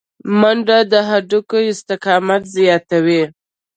منډه د هډوکو استقامت زیاتوي